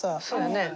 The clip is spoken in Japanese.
そうね。